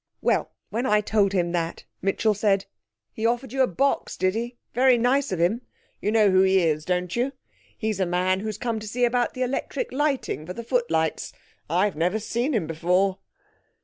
Well, when I told him that, Mitchell said, "He offered you a box, did he? Very nice of him. You know who he is, don't you? He's a man who has come to see about the electric lighting for the footlights. I've never seen him before."